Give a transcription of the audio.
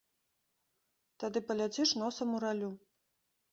Тады паляціш носам у раллю.